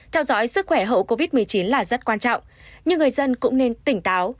theo dõi sức khỏe hậu covid một mươi chín là rất quan trọng nhưng người dân cũng nên tỉnh táo